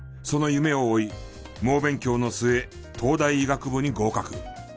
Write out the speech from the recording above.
その夢を追い猛勉強の末東大医学部に合格。